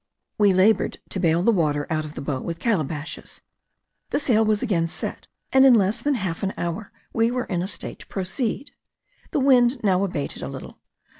We laboured to bale the water out of the boat with calabashes, the sail was again set, and in less than half an hour we were in a state to proceed. The wind now abated a little.